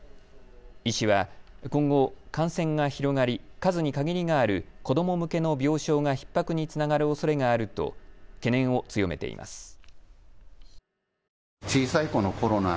医師は今後、感染が広がり数に限りがある子ども向けの病床がひっ迫につながるおそれがあると懸念を強めています。